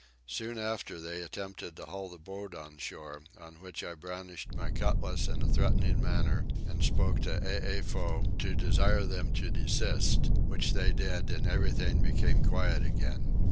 Soon after they attempted to haul the boat on shore, on which I brandished my cutlass in a threatening manner and spoke to Eefow to desire them to desist, which they did and everything became quiet again.